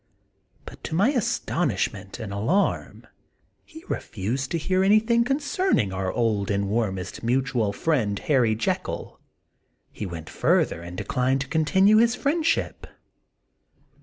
But to my astonishment and alarm, he refused to hear anything concerning our old and warm est mutual friend, Harry Jekyll ; he went further and declined to continue his friend ship.